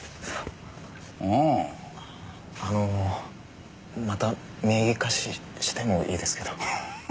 あのまた名義貸ししてもいいですけど。